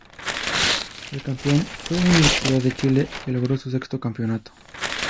El campeón fue Universidad de Chile que logró su sexto campeonato.